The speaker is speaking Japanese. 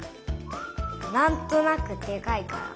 なんとなくでかいから。